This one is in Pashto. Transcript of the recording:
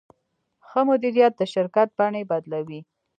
ښه مدیریت د شرکت بڼې بدلوي.